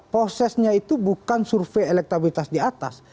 prosesnya itu bukan survei elektabilitas di atas